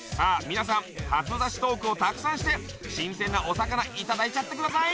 皆さん初出しトークをたくさんして新鮮なお魚いただいちゃってください！